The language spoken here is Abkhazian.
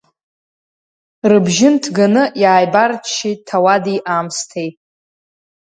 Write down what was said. Рыбжьы нҭганы иааибарччеит ҭауади-аамсҭеи.